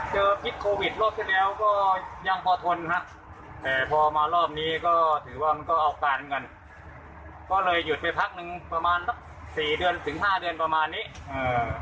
พิษโควิดรอบที่แล้วก็ยังพอทนฮะแต่พอมารอบนี้ก็ถือว่ามันก็เอาการกันก็เลยหยุดไปพักหนึ่งประมาณสักสี่เดือนถึงห้าเดือนประมาณนี้อ่า